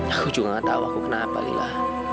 aku juga gak tahu aku kenapa lila